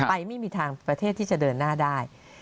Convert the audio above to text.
ไม่มีทางประเทศที่จะเดินหน้าได้